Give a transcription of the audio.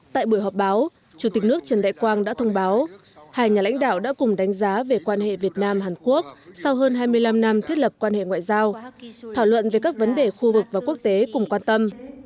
tại buổi họp báo chủ tịch nước trần đại quang đã thông báo hai nhà lãnh đạo đã cùng đánh giá về quan hệ việt nam hàn quốc sau hơn hai mươi năm năm thiết lập quan hệ ngoại giao thảo luận về các vấn đề khu vực và quốc tế cùng quan tâm